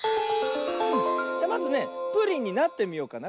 まずねプリンになってみようかな。